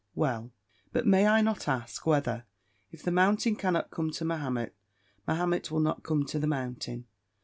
"Well; but may I not ask, whether, if the mountain cannot come to Mahomet, Mahomet will not come to the mountain?